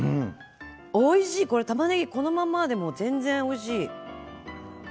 おいしい、これたまねぎこのままでも全然おいしい。